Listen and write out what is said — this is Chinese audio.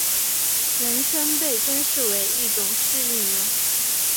人参被珍视为一种适应原。